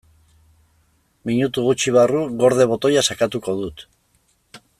Minutu gutxi barru "gorde" botoia sakatuko dut.